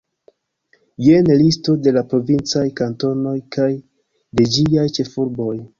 Jen listo de la provincaj kantonoj kaj de ĝiaj ĉefurboj.